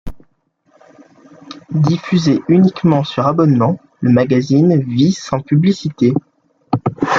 Diffusé uniquement sur abonnement, le magazine vit sans publicité.